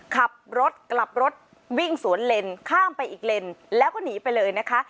ขับรถกลับรถวิ่งสวนเลนข้ามไปอีกเลนแล้วก็หนีไปเลยนะคะ